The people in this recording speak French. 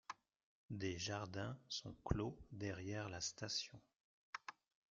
Des jardins sont clos derrière la station.